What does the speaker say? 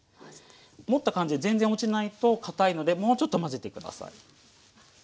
持った感じで全然落ちないとかたいのでもうちょっと混ぜてください。